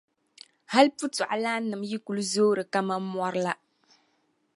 Hal putɔɣulaannim’ yi kul zoori kaman mɔri la.